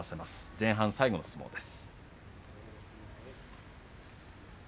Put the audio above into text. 前半最後の相撲です。